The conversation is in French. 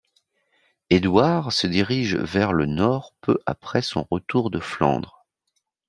Édouard se dirige vers le nord peu après son retour de Flandres.